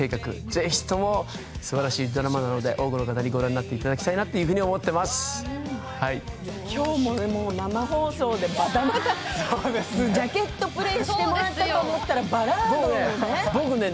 ぜひともすばらしいドラマなので多くの方にご覧になっていただきたいきょうも生放送でジャケットプレイしてもらったと思ったらバラードもね。